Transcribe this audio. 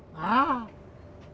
kau yang waktu itu